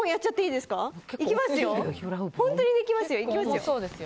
いきますよ。